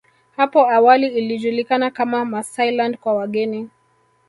Hapo awali ilijulikana kama Maasailand kwa wageni